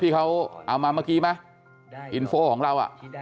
ที่เขาเอามาเมื่อกี้ไหมอินโฟของเรา